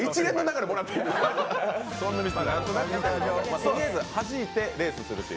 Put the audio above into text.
とりあえず、はじいてレースするという。